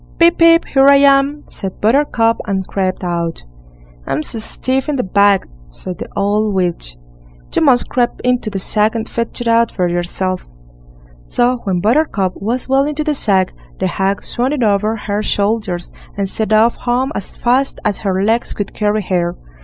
"Pip, pip! here I am", said Buttercup, and crept out. "I'm so stiff in the back", said the old witch, "you must creep into the sack and fetch it out for yourself." So when Buttercup was well into the sack, the hag swung it over her shoulders and set off home as fast as her legs could carry her.